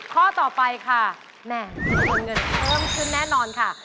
ข้อต่อไปค่ะแหมมีเงินเติมขึ้นแน่นอนค่ะ